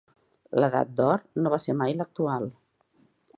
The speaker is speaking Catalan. L'edat d'or no va ser mai l'actual.